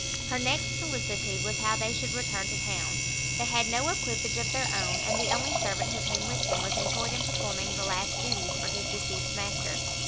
Her next solicitude was how they should return to town; they had no equipage of their own, and the only servant who came with them was employed in performing the last duties for his deceased master.